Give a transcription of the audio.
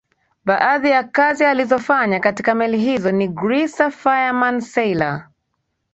Baadhi ya kazi alizofanya katika meli hizo ni Greaser Fireman Sailor